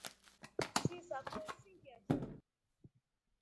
Nshui sakwe sii ngiasha.